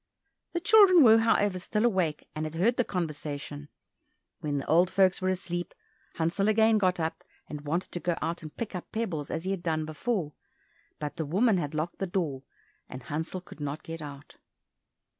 The children were, however, still awake and had heard the conversation. When the old folks were asleep, Hansel again got up, and wanted to go out and pick up pebbles as he had done before, but the woman had locked the door, and Hansel could not get out.